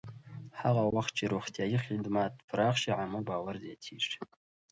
هغه وخت چې روغتیایي خدمات پراخ شي، عامه باور زیاتېږي.